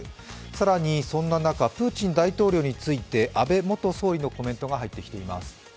更にそんな中、プーチン大統領について安倍元総理のコメントが入ってきています。